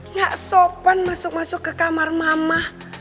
gak sopan masuk masuk ke kamar mama